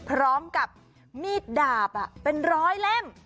พร้อมกับมีดดาบเป็นร้อยเล่ม